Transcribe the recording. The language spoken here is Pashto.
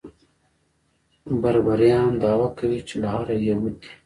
بربران دعوه کوي چې له آره یهود دي.